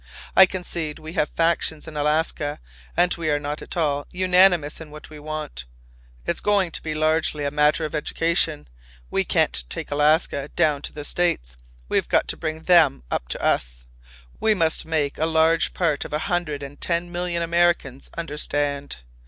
I concede we have factions in Alaska and we are not at all unanimous in what we want. It's going to be largely a matter of education. We can't take Alaska down to the States—we've got to bring them up to us. We must make a large part of a hundred and ten million Americans understand.